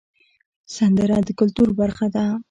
سندره د کلتور برخه ده